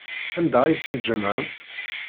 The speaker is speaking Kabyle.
Anda ay ten-tjemɛemt?